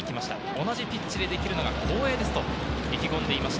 同じピッチでできるのが光栄ですと意気込んでいました。